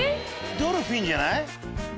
ドルフィンじゃない？